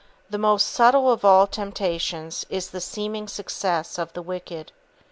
The most subtle of all temptations is the seeming success of the wicked.